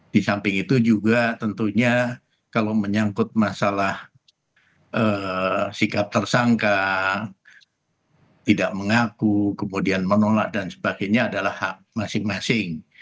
di samping itu juga tentunya kalau menyangkut masalah sikap tersangka tidak mengaku kemudian menolak dan sebagainya adalah hak masing masing